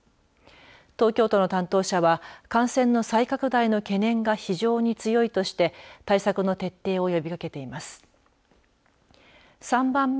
東京都の担当者は感染の再拡大の懸念が非常に強いとして対策の徹底を呼びかけています。